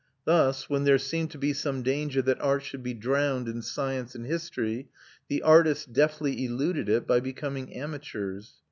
Thus, when there seemed to be some danger that art should be drowned in science and history, the artists deftly eluded it by becoming amateurs.